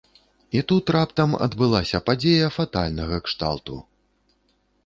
І тут раптам адбылася падзея фатальнага кшталту.